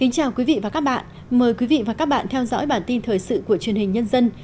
chào mừng quý vị đến với bản tin thời sự của truyền hình nhân dân